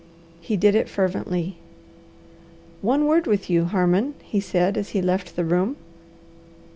He did it fervently. "One word with you, Harmon," he said as he left the room.